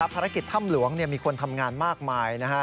ภารกิจถ้ำหลวงมีคนทำงานมากมาย